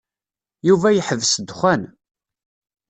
Yuba yeḥbes ddexxan.